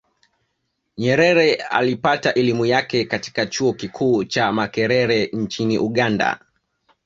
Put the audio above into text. Nyerere alipata elimu yake katika chuo kikuu cha Makerere nchini Uganda